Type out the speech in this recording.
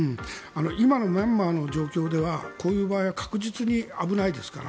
今のミャンマーの状況ではこういう場合は確実に危ないですから。